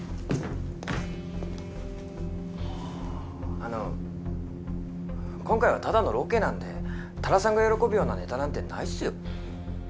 あの今回はただのロケなんで多田さんが喜ぶようなネタなんてないっすよ。